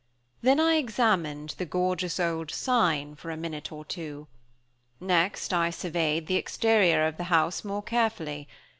Then I examined the gorgeous old sign for a minute or two. Next I surveyed the exterior of the house more carefully.